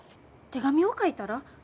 手紙を書いたら？